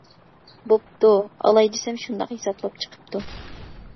بوپتۇ، ئالاي، دېسەم، شۇنداق ھېسابلاپ چىقىپتۇ.